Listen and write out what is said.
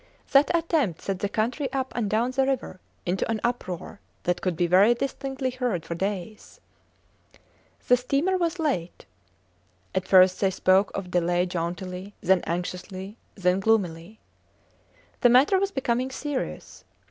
That attempt set the country up and down the river into an uproar that could be very distinctly heard for days. The steamer was late. At first they spoke of delay jauntily, then anxiously, then gloomily. The matter was becoming serious.